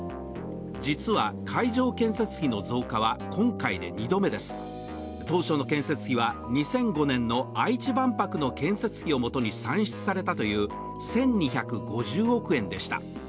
実は、会場建設費の増加は、今回で２度目です、当初の建設費は２００５年の愛知万博の建設費をもとに算出されたという１２５０億円でした。